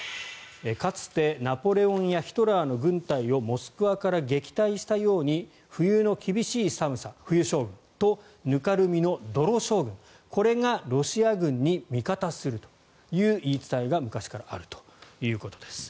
かつてナポレオンやヒトラーの軍隊をモスクワから撃退したように冬の厳しい寒さ、冬将軍と泥のぬかるみ、泥将軍がこれがロシア軍に味方するという言い伝えが昔からあるということです。